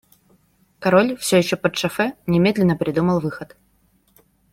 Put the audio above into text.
Король, все еще подшофе, немедленно придумал выход.